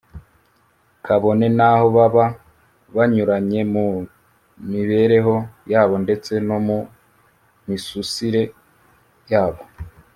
kabone n’aho baba banyuranye mu mibereho yabo ndetse no mu misusire yabo